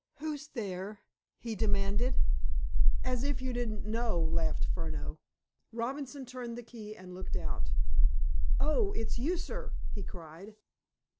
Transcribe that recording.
"Who's there?" he demanded. "As if you didn't know," laughed Furneaux. Robinson turned a key, and looked out. "Oh, it's you, sir?" he cried.